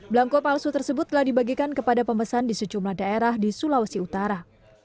belangko palsu tersebut telah dibagikan kepada pemesan di sejumlah daerah di sulawesi utara